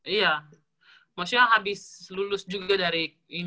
iya maksudnya habis lulus juga dari